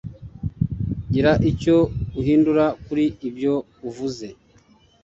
gira icyo uhindura kuri ibyo uvuze